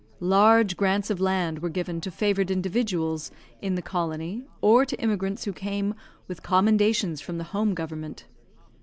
Large grants of land were given to favoured individuals in the colony, or to immigrants who came with commendations from the home government.